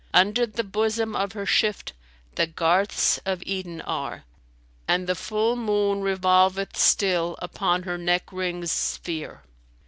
Under the bosom of her shift the garths of Eden are * And the full moon revolveth still upon her neck rings' sphere."